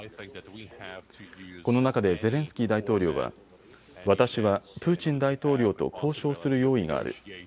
この中でゼレンスキー大統領は私はプーチン大統領と交渉する用意がある。